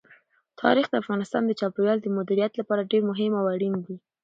تاریخ د افغانستان د چاپیریال د مدیریت لپاره ډېر مهم او اړین دي.